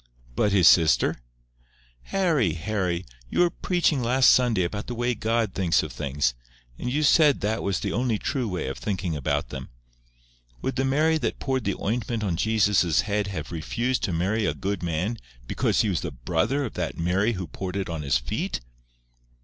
"But his sister?" "Harry, Harry! You were preaching last Sunday about the way God thinks of things. And you said that was the only true way of thinking about them. Would the Mary that poured the ointment on Jesus's head have refused to marry a good man because he was the brother of that Mary who poured it on His feet?